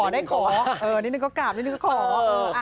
นิดนึงก็กราบนิดนึงก็ขอ